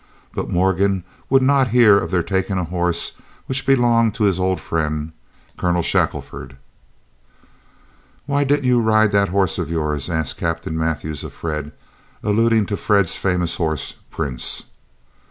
But Morgan would not hear of their taking a horse which belonged to his old friend, Colonel Shackelford. "Why didn't you ride that horse of yours?" asked Captain Mathews of Fred, alluding to Fred's famous horse, Prince.